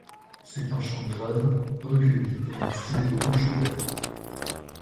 C'est un chant grave, recueilli, dans un style évoquant Schubert.